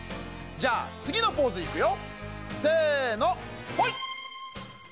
じゃあつぎのポーズいくよ。